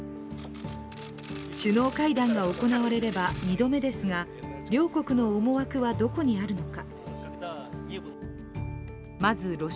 首脳会談が行われれば２度目ですが両国の思惑はどこにあるのか。